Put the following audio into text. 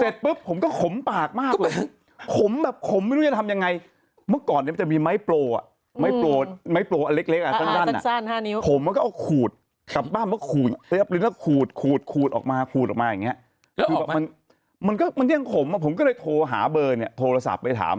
เจ็บสักครั้งเน้นแอร์ร้องกันแล้ว